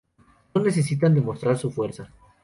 No necesitan demostrar su fuerza.